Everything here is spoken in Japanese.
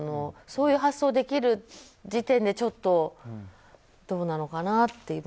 そういう発想ができる時点でちょっとどうなのかなと。